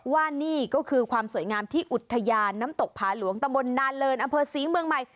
ว่านี่ก็คือความสวยงามที่อุทยานน้ำตกผาหลวงตะมนต์นานเลินอำเภอศรีเมืองใหม่